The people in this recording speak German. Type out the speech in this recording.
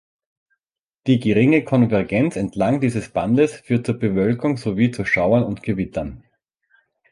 Die geringe Konvergenz entlang dieses Bandes führt zu Bewölkung sowie zu Schauern und Gewittern.